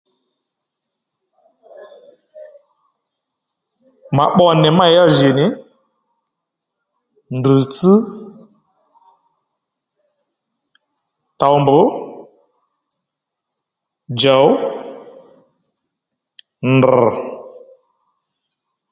Ma pbo nì meyá jì nì ndrr̀tsś, towmbù, djòw, ndrr̀